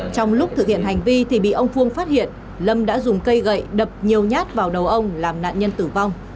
trong lúc thực hiện hành vi thì bị ông phương phát hiện lâm đã dùng cây gậy đập nhiều nhát vào đầu ông làm nạn nhân tử vong